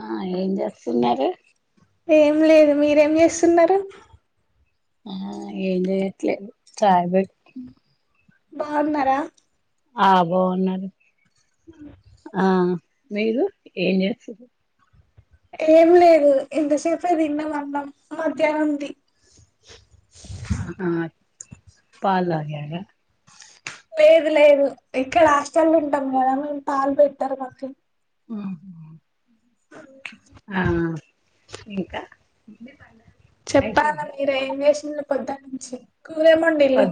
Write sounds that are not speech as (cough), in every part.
ఆహ్ ఏం చేస్తున్నారు. ఏం లేదు మీరేం చేస్తున్నారు. ఉమ్ ఏం చేయట్లే చాయ్ పెడుతున్న. బాగున్నారా. ఆహ్ బాగున్నాను. ఉమ్. మీరు ఏం చేస్తుండ్రు. ఏం లేదు ఇంతసేపే తిన్నా అన్నాం మధ్యాహ్నం ది. ఆహా పాలు తాగారా. లేదు లేదు ఇక్కడ హస్టలులో ఉంటాం కదా మేము పాలు పెట్టారు మాకి. ఉమ్మ్. హలో ఇంకా. చెప్పాలా అయిపోయింది మీరే ఏం చేస్తుంన్రు పొద్దున్నుంచి కూర ఏం వండిండ్రు.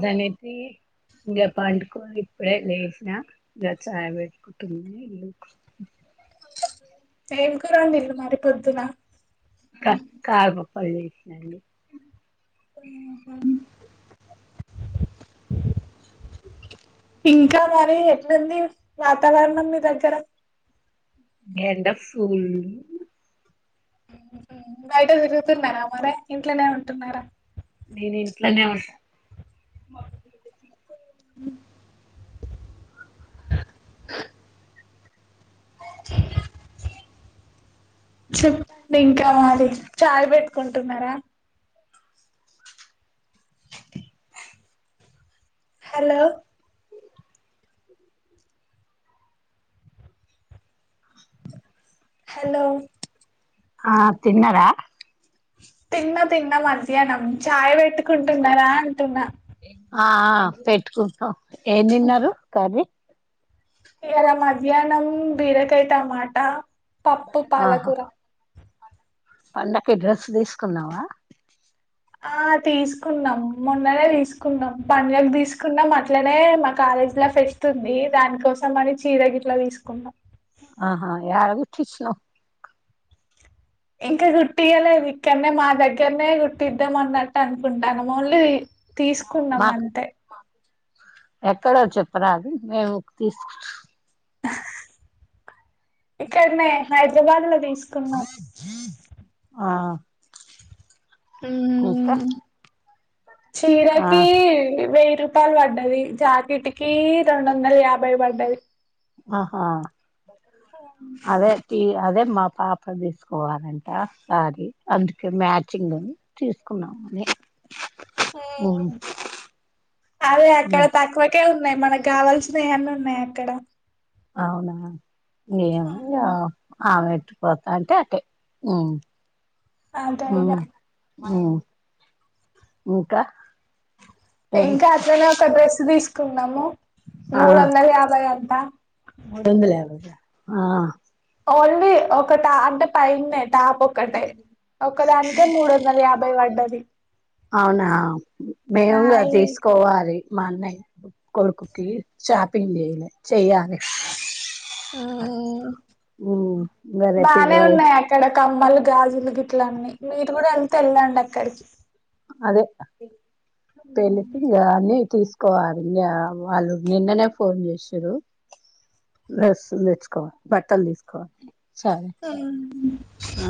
ఇంకా పండుకోని ఇప్పుడే లేసినా ఇంకా చాయ్ పెట్టుకుంటున్న ఇల్లు ఊకు. ఏం కూర వండిన్రు మరి పొద్దున. కా కారమా అప్పలు చేసినది. (unintelligible) ఇంకా మరి ఎట్లుంది వాతావరణం మీ దగ్గర. ఎండ ఫూల్ ఉంది. ఉమ్ బయట తిరుగుతున్నారా మరి ఇంట్లోనే ఉంటున్నారా. నేను ఇంట్లోనే ఉంటా. ఉమ్. చెప్ప్ ఇంకా మళ్లీ చాయ్ పెట్టుకుంటున్నారా హలో హలో ఆ తిన్నరా తిన్న తిన్న మధ్యాహ్నం చాయ్ పెట్టుకుంటున్నారా అంటున్నా ఆ పెట్టుకుంటున్నం ఏ తిన్నారు కర్రీ ఇర మధ్యాహ్నం బీరకాయ టమాటా పప్పు ఆహా పాలకూర పండక్కి డ్రెస్ తీసుకున్నావా ఆ తీసుకున్నాం మొన్ననే తీసుకున్నాం పండగకి తీసుకున్నాం అట్లనే మా తాత కాలేజ్ ఫెస్ట్ ఉంది దాని కోసం అని చీర గిట్లా తీసుకున్నా ఆహా యడ తెచ్చి ఇచ్చినావ్ ఇంకా కుట్టియ్య లేదు ఇక్కడనే మా దగ్గరనే కుట్టిద్దాం అన్నట్టు అనుకుంటాన్న మళ్ళీ తీసుకున్నాం మాకు అంతే ఎక్కడో చెప్పరాదు మేము తీసుకు ఇక్కడనే హైదరాబాద్ లో తీసుకున్నా ఆ ఇంకా ఆ చీరాకి వెయ్యి రూపాయలు పడ్డది జాకిటికి రెండు వందల యాభై పడ్డది ఆహా ఉమ్ అదే అదే మా పాప తీసుకోవాలంట శారీ అందుకే మ్యాచింగ్ అని తీసుకో కున్నాం కాల్ల అక్కడ ఉమ్ తక్కువకే ఉన్నాయి మనకి కావల్సినవి అన్ని ఉన్నాయి అక్కడ అవునా ఏం ఉందొ ఆమె ఎటుపోతా అంటే అటే మ్మ్ (unintelligible) ఆ టైం లో ఇంకా ఏం ఇంకా అట్లనే ఒక డ్రెస్ తీసుకున్నాము ఆ మూడు వందల యాభై అంట మూడొందల యాభైయా ఆ. ఓన్లీ ఒకట అంటే పైనే టాప్ ఒక్కటే ఒకదానికే మూడు వందల యాభై పడ్డది అవునా ఆ మేము అది తీసుకోవాలి మా అన్నయ్య కొడుకుకి షాపింగ్ చేయిలే చేయాలి మ్మ్. ఇంకా రేపు బానే ఇరవై ఉన్నాయి అక్కడ కమ్మలు గాజులు గిట్ల ఉన్నాయి మీరు కూడా ఎల్తే ఎల్లండి అక్కడికి అదే పెళ్లికి (unintelligible) తీసుకు కోవాలి ఇగ వాళ్ళు నిన్ననే ఫోన్ చేసిర్రు డ్రెస్సులు తెచ్చుకోవాలి బట్టలు తీసుకోవాలి సరే ఆ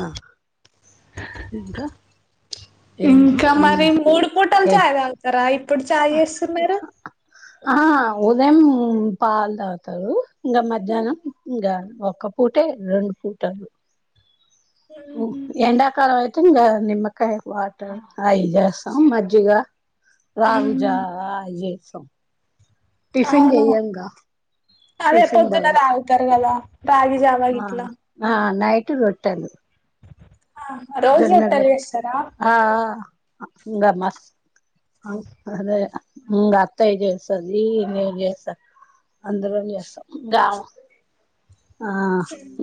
ఇంకా ఏం ఇంకా ఉమ్ మరి మూడు పూటలు ఏ చాయి తాగుతారా ఇ ఇక్కడ చాయ్ చేస్తున్నారు ఆ.. ఉదయం పాలు తాగుతారు ఇంగ మధ్యాహ్నం ఇంగ ఒక్క పూటే రెండు పూటలు ఎండాకాలం నిమ్మకాయ వాటర్ అయి చేస్తాం మజ్జిగ రాగి జావా అది జేస్తం టిఫిన్ అవును చెయ్యంగా అదే టిఫిన్ పొద్దున బాగు తాగుతారు కదా రాగి జావా గిట్ల ఉట్టి రొట్టెలు రోజు జొన్న రొట్టెలు రొట్టె చేస్తారా ఆఆ.. ఇంగ మస్తు అద మ్ ఇంగ అత్తయ్య చేస్తది నేను చేస్తా అందులోని చేస్తాం ఇంగ హా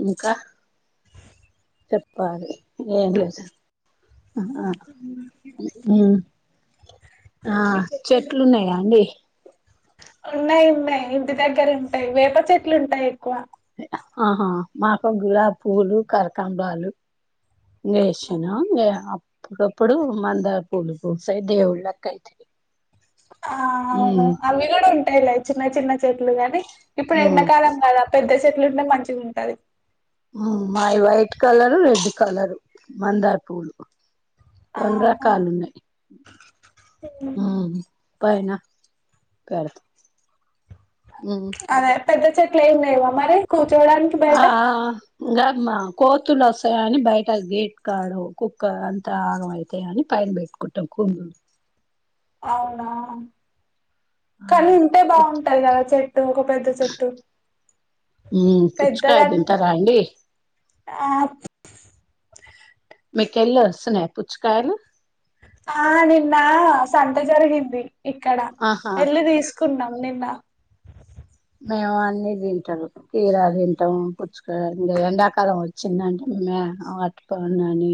ఇంక చెప్పాలి ఏం లేదు హ మ్మ్ ఆ చెట్లు ఉన్నయా అండి? ఉన్నాయి ఉన్నాయి ఇంటి దగ్గర ఉంటాయి వేప చెట్లు ఉంటాయి ఎక్కువ ఆహా మాకు గులాబీ పూలు కనాకంబరాలు ఇంగయేసిన అప్పుడప్పుడు మందార పూలు పూస్తయి దేవుళ్ళకి అయితయి ఆ అవును అవి గూడ ఉంటాయిలే చిన్న చిన్న. చిన్న చెట్లు గాని ఇప్పుడు ఉమ్ ఎండాకాలం కదా పెద్ద చెట్లుంటే మంచిగా ఉంటది మ్మ్.. మాయి వైట్ కలరు రెడ్ కలరు మందారపూలు రెండు ఆహా రకాలున్నాయి ఉమ్. ఊ పైన పెడతాం మ్.. పెద్దా చెట్ల ఏమి లేవా మరి కూర్చోడానికి ఆ బయట ఆ.. ఇంగ మా కోతులు వస్తాయని బయట గేట్ కాడు కుక్క అంత ఆగం అయితాయని పైన పెట్టినం ఎటాబు అవునా.. ఆ కానీ ఉంటే పుచ్ బాగుంటాయి కదా చెట్టు ఒక పెద్ద చెట్టు ఉ పుచ్చకాయ పెద్దదంటే తింటారా అండి ఆ.. మీ కెళ్లిస్తున్నాయా పుచ్చకాయలు ఆ నిన్న సంత జరిగింది ఇక్కడ ఆహా ఎల్లీ తీసుకున్నాం నిన్న మేము అన్నీ తింటారు కీరా తింటాము పుచ్చుకంకా ఎండాకాలం వచ్చిందంటే అట్ పని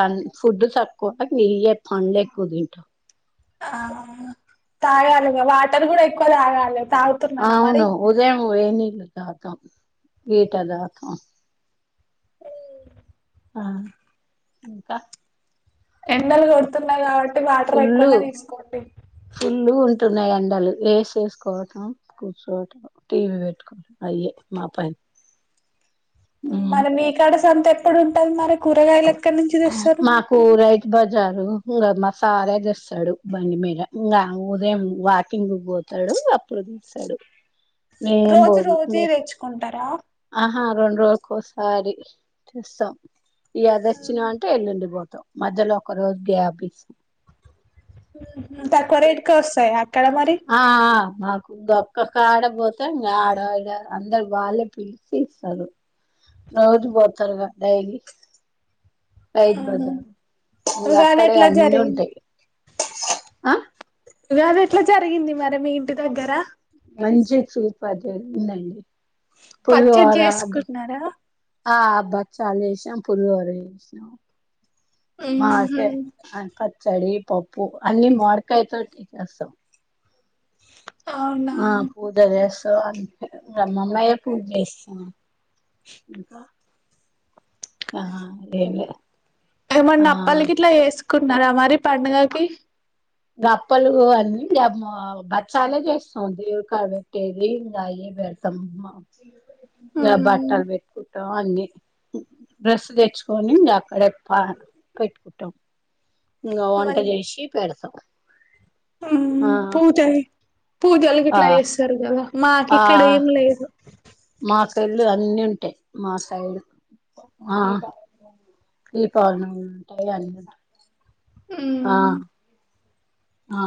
అ ఫుడ్ తక్కువ నీరు పండ్లే ఎక్కువ తింటాం ఆ తాగాలిగా వాటర్ కూడా ఎక్కువ తాగాలి తాగుతున్నానా మరి అవును ఉదయం ఏని తాగుతం లీటర్ తాగుతం ఆ ఇంకా ఎండలు కొడుతున్నాయి కాబట్టి వాటర్ ఫుల్లు ఎక్కువనే తీసుకోండి ఉ ఉన్నాయి ఎడాలు వేసేసుకోవటం కూర్చోవటం టీవీ పెట్టుకోవం అయే మా పైన మరి మీ కడ సంత ఎప్పుడు ఉంటది మరి కూరగాయల మాకు రైతు బజార్ ఇంకా మసాలా తెస్తాడు బండి మీద ఇంకా ఉదయం వాకింగ్ పోతాడు అప్పుడు తెస్తాడు నేనేమి రోజు పోను రోజు ఇ తెచ్చుకుంటారా ఆహా రెండు రోజులకోసారి చూస్తాం ఈ అద వచ్చినా అంటే ఎల్లుండిపోతాం మధ్యలో ఒక రోజు గ్యాప్ ఇస్తాం తక్కువ రేటుకే వస్తాయా అక్కడ మరి ఆ ఆ మాకు ఒక్క కా ఆడపోతే ఇం ఆడ ఆడ అందరు వాళ్లేే పిలిచి ఇస్తారు రోజు పోతారుగా డైలీ రైతు బజార్ ఇ ఉగాది అక్కడే ఎట్లా అన్నీ జరిగింది ఉంటాయి ఆ ఇది ఎట్లా జరిగింది మరి మీ ఇంటి దగ్గర మంచి చూపది ఉందండి పచ్చడి పులిహోర చేసుకున్నారా ఆ బస్ చల్ చేసిన పులిహోర చేసిన ఉహు మార్కే అ ప పచడి పప్పు అన్నీ మామిడి కాయతోనే చేస్తాం అవునా ఆ పూజ చేస్తా మల్లయ్య పూజ చేస్తా (inaudible) ఇంకా ఆహ ఎం లేదే ఏమన్న అప్పలకి గిట్లా చేసుకున్నారా మరి పండుగకి గప్పలు అన్ని బచ్చాలే చేసినం అండీ కాబట్టి పెట్టేది ఇంకాయ పెడతాం ఇగ ఉమ్ బట్టలు పెట్టుకు అన్ని డ్రెస్ తెచ్చుకొని అక్కడ పెట్టుకుంటాం ఇంకా వంట చేసి పెడతాం ఉహు ఆ పోతయి పూజలుకి ఆ గిట్లా చేస్తారు కదా మాకు ఆ ఇక్కడ ఏం లేదు మా సైడ్ లో అన్నీ ఉంటాయి మా సైడ్ ఆహ దీపావళి నోములు ఉంటాయి అన్ని ఉంటాయి ఉ ఆ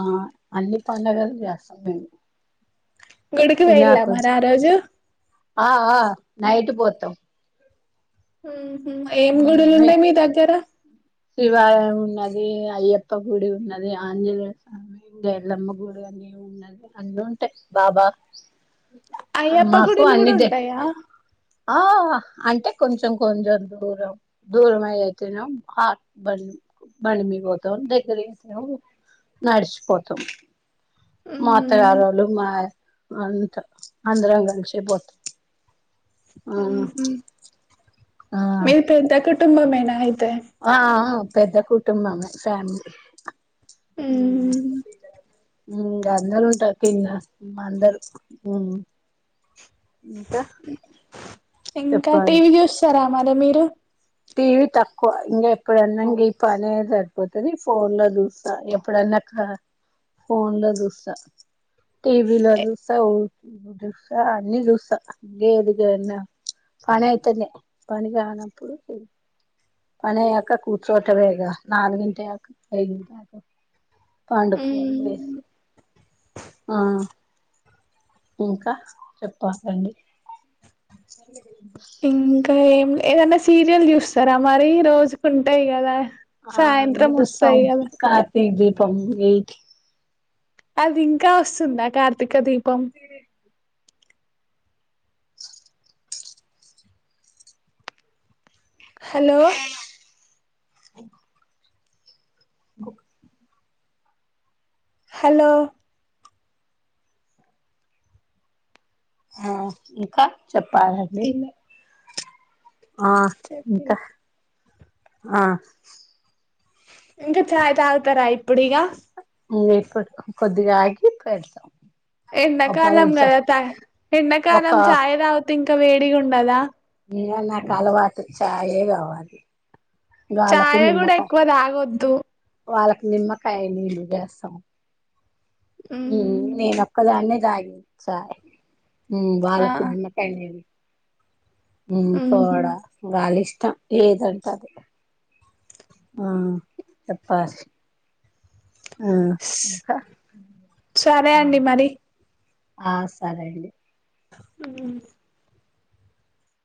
అన్ని పండగలు చేస్తాం గుడికి పోయింల మరి ఆ రోజు ఆహ నైట్ పోతాం ఉహు ఏం గుడులు మే ఉన్నాయి మీ దగ్గర శివాలయం ఉన్నది అయ్యప్ప గుడి ఉన్నది ఆంజనేయ స్వామి ఇంకా ఎల్లమ్మ గుడి ఉన్నది అన్న ఉంటేయి బాబా అయ్యప్ప మాకు గుడులు కూడా అన్ని ఉంటాయా ఆ అంటే కొంచెం కొంచెం దూరం దూరమయితుంది హాట్ బం బండి మీద పోతాము లేకపోతే నడిచిపోతాం మా ఉమ్ అత్తగారోళ్లు మా అంత అందరం కలిసి పోతం (inaudible) ఉహు మీది పెద్ద కుటుంబమేనాయితే ఆహా పెద్ద కుటుంబంమే ఫ్యామిలీ ఉహు ఉ ఉ అందరూ ఉంటారు కి అందరూ ఉ ఇంకా చెప్పాలి టీవీ చూస్తారా మరి మీరు టీవీ తక్కువ ఇంకా ఎప్పుడన్నా ఇంక ఈ పని సరిపోతుది ఫోన్ లో చూస్తా ఎప్పుడన్నా ఫోన్ లో చూస్తా టీవీలో దసా ఉ ఇ దసా అన్ని దసా అే ఏదుగాన్న (unintelligible) పని అయితేనే పని కానప్పుడు పనీ క కూర్చోట బేగా నాలుగు గంటే క ఐదుంటక పడుకోూలు ఉమ్ వేసి ఆ (unintelligible) ఇంకా చెప్పలండి ఇంకా ఏం ఏదన్నా సీరియల్ చూస్తారా మరి రోజుకు ఉంటాయి కదా ఆ అన్నీ సాయంత్రం చూస్తాం వస్తాయి కదా కార్తీ దీపం ఏట్ అది ఇంకా వస్తుందా కార్తీక దీప సరే హలో ఓకే హలో ఇంకా చెప్పాల లే అండీ ఆ ఇంకా ఆ ఇంకా ఛాయ్ తాగుతారా ఇప్పుడుగా ఇప్పుడు కొద్దిగా ఆగి పెడతాం ఒక పది ఎండాకాలం నిమిషాలు కదాా ఎండాకాలం ఒక చాయ్ రావత ఇంకా వేడిగా ఉండదా ఇంకా నాకు అలవాటు చాయే కావాలి వాళ్ళకి ఛాయ గుడి నిమ్మకాయ ఎక్కువ తాగొద్దు. వాళ్ళకి నిమ్మకాయ నీళ్ళు తేస్తాం, ఉమ్ నేనొక్కదాన్నే రాలి జావా, ఉమ్ ఆ వాళ్లకి నిమ్మకాయ ఉమ్ ఉహు పోడ వాళ్ళ ఇష్టం, ఏదంటే అది ఆ చెప్పా స్ సరే అండి మరి. ఆ సరే అండి. ఉమ్